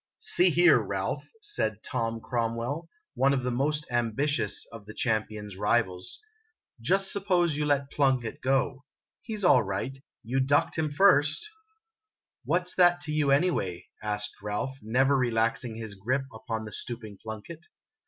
See here, Ralph," said Tom Cromwell, one of the most ambitious of the champion's rivals, "just suppose you let Plunkett go. He 's all right. You ducked him first !" 158 IMAGINOTIONS " What 's that to you, anyway? " asked Ralph, never relaxing his grip upon the stooping Plunkett.